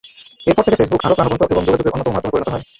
এরপর থেকে ফেসবুক আরও প্রাণবন্ত এবং যোগাযোগের অন্যতম মাধ্যমে পরিণত হয়।